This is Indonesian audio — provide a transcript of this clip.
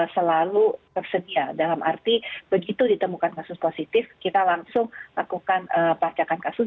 selalu tersedia dalam arti begitu ditemukan kasus positif kita langsung lakukan pacakan kasus